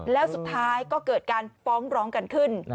แล้วสุดท้ายก็เกิดการฟ้องร้องกันขึ้น